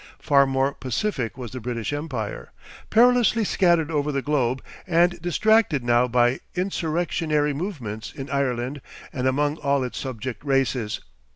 Far more pacific was the British Empire, perilously scattered over the globe, and distracted now by insurrectionary movements in Ireland and among all its Subject Races.